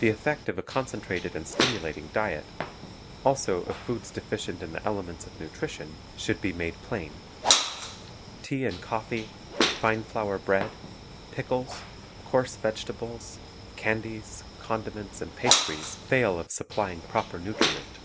The effect of a concentrated and stimulating diet, also of foods defi cient in the elements of nutrition, should be made plain. Tea and coffee, fine flour bread, pickles, coarse vege tables, candies, condiments, and pastries fail of supplying proper nutriment.